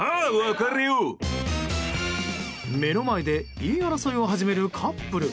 目の前で言い争いを始めるカップル。